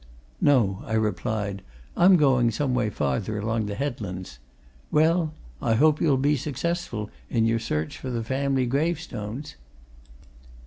"No," I replied. "I'm going some way farther along the headlands. Well I hope you'll be successful in your search for the family gravestones."